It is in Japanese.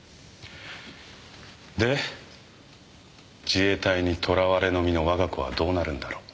自衛隊に捕らわれの身の我が子はどうなるんだろう？